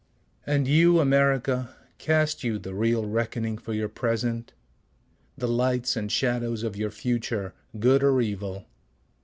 And you America, Cast you the real reckoning for your present? The lights and shadows of your future, good or evil?